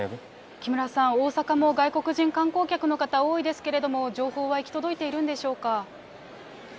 木村さん、大阪も外国人観光客の方、多いですけれども、情報は行き届いているんでしょうか。